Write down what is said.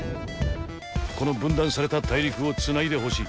この分断された大陸を繋いでほしい。